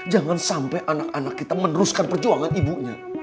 jangan sampai anak anak kita meneruskan perjuangan ibunya